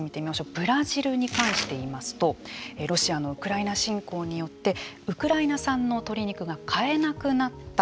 ブラジルに関していいますとロシアのウクライナ侵攻によってウクライナ産の鶏肉が買えなくなった。